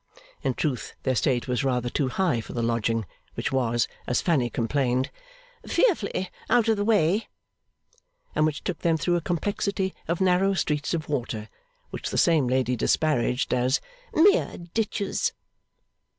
In truth, their state was rather too high for the lodging, which was, as Fanny complained, 'fearfully out of the way,' and which took them through a complexity of narrow streets of water, which the same lady disparaged as 'mere ditches.